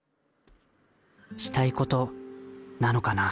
したいことなのかな